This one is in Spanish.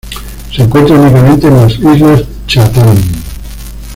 Se encuentra únicamente en las islas Chatham.